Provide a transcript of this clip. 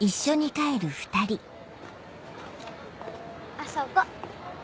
あそこ。